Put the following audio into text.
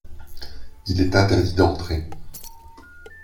Il est interdit d’entrer.